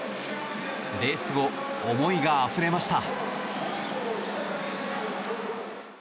レース後思いがあふれました。